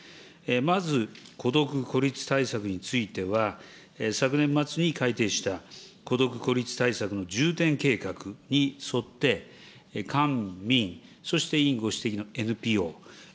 まず、孤独・孤立対策については、昨年末に改定した孤独・孤立対策の重点計画に沿って、官民、そして委員ご指摘のＮＰＯ。